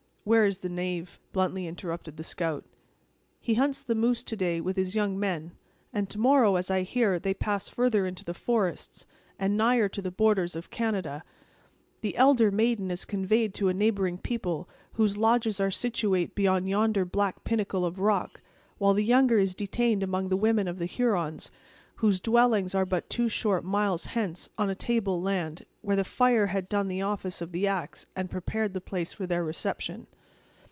"Where is the knave?" bluntly interrupted the scout. "He hunts the moose to day, with his young men; and tomorrow, as I hear, they pass further into the forests, and nigher to the borders of Canada. The elder maiden is conveyed to a neighboring people, whose lodges are situate beyond yonder black pinnacle of rock; while the younger is detained among the women of the Hurons, whose dwellings are but two short miles hence, on a table land, where the fire had done the office of the axe, and prepared the place for their reception."